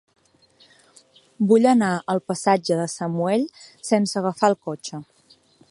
Vull anar al passatge de Saumell sense agafar el cotxe.